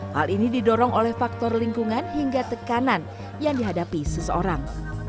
hal ini didorong oleh faktor lingkungan hingga tekanan yang dihadapi seseorang